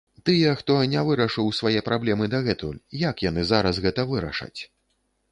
Тыя, хто не вырашыў свае праблемы дагэтуль, як яны зараз гэта вырашаць?